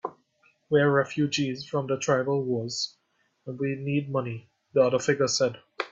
"We're refugees from the tribal wars, and we need money," the other figure said.